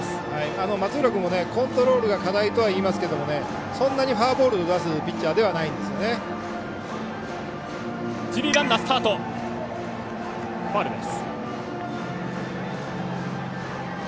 松浦君もコントロールが課題とはいいますがそんなにフォアボールを出すピッチャーではないです。